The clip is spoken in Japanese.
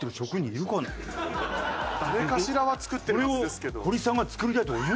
誰かしらは作ってるはずですけど。